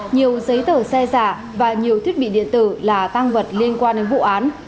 nhiều giấy tờ xe giả và nhiều thiết bị điện tử là tăng vật liên quan đến vụ án